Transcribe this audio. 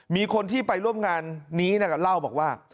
มีคนที่ไปร่วมงานนี้เล่าบอกว่า